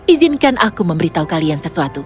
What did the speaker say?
izinkan aku memberitahu kalian sesuatu